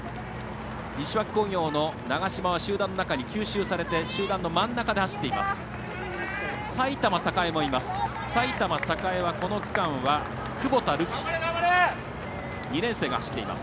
西脇工業の長嶋は集団の中に吸収されて真ん中で走っています。